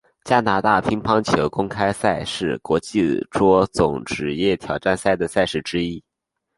加拿大乒乓球公开赛是国际桌总职业挑战赛的赛事之一。